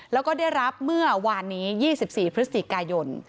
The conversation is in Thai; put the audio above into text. แล้วก็ได้รับเมื่อวานนี้๒๔พฤศจิกายน